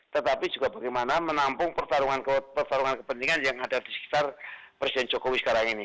tetapi juga bagaimana menampung pertarungan pertarungan kepentingan yang ada di sekitar presiden jokowi sekarang ini